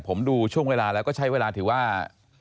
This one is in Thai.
ผมดูช่วงเวลาแล้วก็ใช้เวลาถือว่า